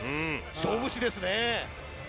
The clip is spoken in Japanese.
勝負師ですね。